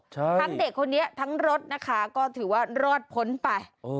ทั้งเด็กคนนี้ทั้งรถนะคะก็ถือว่ารอดพ้นไป